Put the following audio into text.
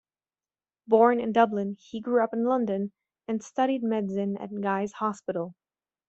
Born in Dublin, he grew up in London, and studied medicine at Guy's Hospital.